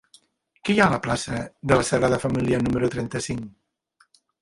Què hi ha a la plaça de la Sagrada Família número trenta-cinc?